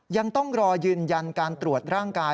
ยังต้องรอยืนยันการตรวจร่างกาย